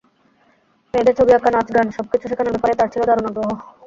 মেয়েদের ছবি আঁকা, নাচ, গান—সবকিছু শেখানোর ব্যাপারেই তাঁর ছিল দারুণ আগ্রহ।